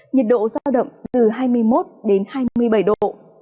nhiệt độ giao động từ hai mươi một đến hai mươi bảy độ